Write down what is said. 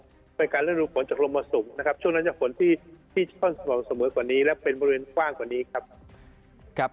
ช่วงนั้นจะผลที่ช่วงสมัยกว่านี้และเป็นบริเวณกว้างกว่านี้ครับ